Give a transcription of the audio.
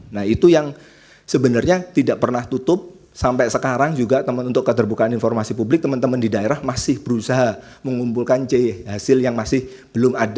nah itu yang sebenarnya tidak pernah tutup sampai sekarang juga untuk keterbukaan informasi publik teman teman di daerah masih berusaha mengumpulkan hasil yang masih belum ada